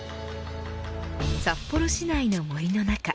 札幌市内の森の中。